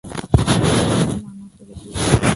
আমি তাদের মানা করে দিয়েছি।